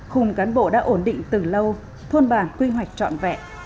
khung cán bộ đã ổn định từ lâu thôn bản quy hoạch trọn vẹn